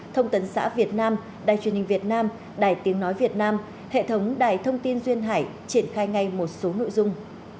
thông tấn xã việt nam đài truyền hình việt nam đài tiếng nói việt nam hệ thống đài thông tin duyên hải triển khai ngay một số nội dung